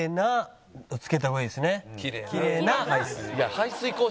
きれいな排水口。